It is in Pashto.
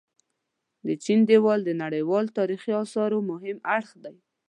د چين ديوال د نړيوال تاريخي اثارو مهم اړخ دي.